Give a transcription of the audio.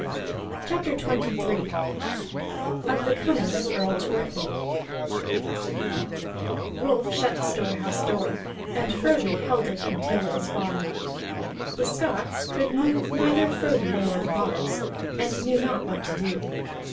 CHAPTER XXIII OF THE COMING OF EARL THORFINN Rolf shut the storehouse door, and Frodi held it until it was barred. The Scots could move neither Frodi nor the bars, and knew not what to do.